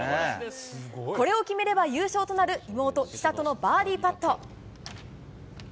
これを決めれば優勝となる妹、千怜のバーディーパット。